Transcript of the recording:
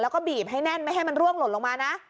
แล้วก็บีบให้แน่นไม่ให้มันร่วงหล่นลงมานะ